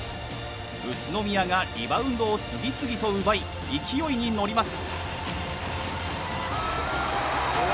宇都宮がリバウンドを次々と奪い勢いに乗ります。